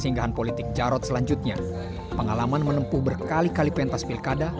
singgahan politik jarod selanjutnya pengalaman menempuh berkali kali pentas pilkada